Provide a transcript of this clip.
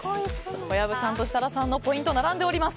小籔さんと設楽さんのポイント、並んでおります。